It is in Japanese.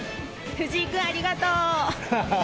藤井君、ありがとう。